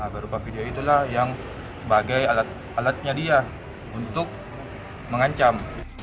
berupa video itulah yang sebagai alatnya dia untuk mengancam